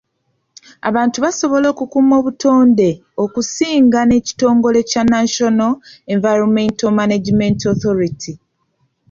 Abantu basobola okukuuma obutonde okusinga n'ekitongole kya National Environmental Management Authority.